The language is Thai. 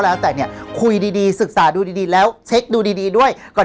แล้วแต่เนี่ยคุยดีศึกษาดูดีแล้วเช็คดูดีดีด้วยก่อน